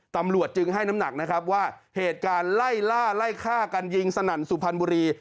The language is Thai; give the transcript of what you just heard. ตำรวจจึงให้น้ำหนักนะครับว่าเหตุการณ์ไล่ล่าไล่ฆ่ากันยิงสนั่นสุพรรณบุรี